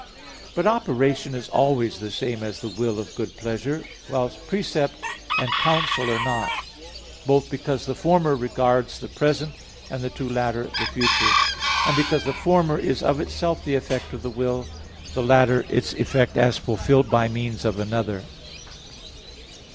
But operation is always the same as the will of good pleasure; while precept and counsel are not; both because the former regards the present, and the two latter the future; and because the former is of itself the effect of the will; the latter its effect as fulfilled by means of another.